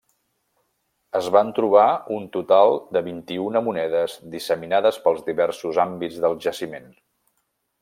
Es van trobar un total de vint-i-una monedes disseminades pels diversos àmbits del jaciment.